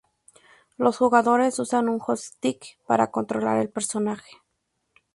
Los jugadores usan un joystick para controlar el personaje.